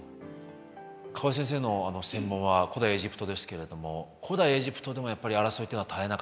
河江先生の専門は古代エジプトですけれども古代エジプトでもやっぱり争いっていうのは絶えなかったんですかね。